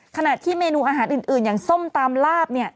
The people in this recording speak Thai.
ขณะที่เมนูอาหารอื่นอย่างส้มตำลาบ